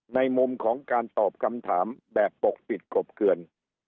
ในมุมของการตอบคำถามแบบปกปิดกบเกลือน